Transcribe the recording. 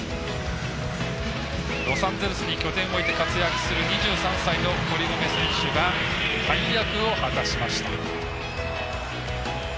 ロサンゼルスに拠点を置いて活躍する２３歳の堀米選手が大役を果たしました。